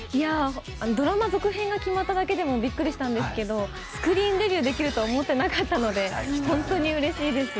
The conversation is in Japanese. ドラマ続編が決まっただけでもびっくりしたんですけどスクリーンデビューできるとは思っていなかったので本当にうれしいです。